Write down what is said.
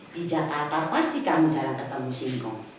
di jakarta pasti kamu jarang ketemu singkong